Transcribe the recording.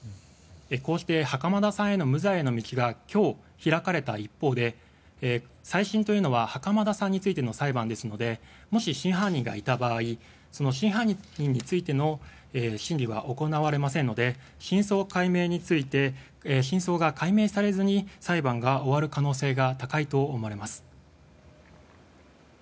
こうして袴田さんへの無罪の道が今日、開かれた一方で再審というのは袴田さんについての裁判ですのでもし真犯人がいた場合その真犯人についての審理が行われませんので真相が解明されずに裁判が終わる可能性が高いと思われます。